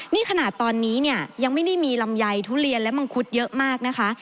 นี่ขนาดตอนนี้เนี่ยยังไม่ได้มีลำไยทุเรียนและมังคุดเยอะมากนะคะ